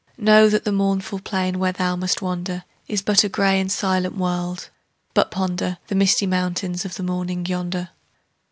Know that the mournful plain where thou must wander Is but a gray and silent world, but ponder The misty mountains of the morning yonder.